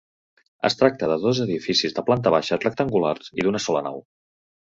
Es tracta de dos edificis de planta baixa, rectangulars i d'una sola nau.